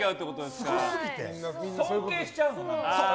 尊敬しちゃうの。